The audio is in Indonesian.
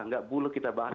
nggak boleh kita bahas